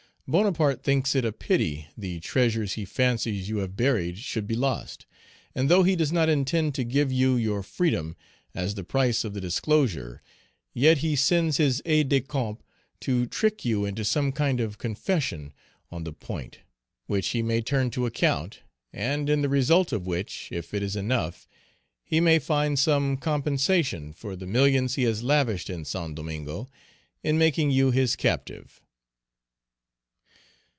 Bonaparte thinks it a pity the treasures he fancies you have buried should be lost; and though he does not intend to give you your freedom as the price of the disclosure, yet he sends his aide de camp to trick you into some kind of confession on the point, which he may turn to account, and in the result of which, if it is enough, he may find some compensation for the millions he has lavished in St. Domingo in making you his captive.